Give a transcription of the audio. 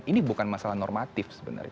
ini bukan masalah normatif sebenarnya